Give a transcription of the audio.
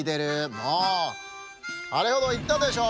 もうあれほどいったでしょ！